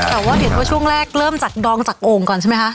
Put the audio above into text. แต่ว่าเห็นว่าช่วงแรกเริ่มจากดองจากโอ่งก่อนใช่ไหมคะ